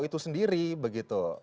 tembakau itu sendiri begitu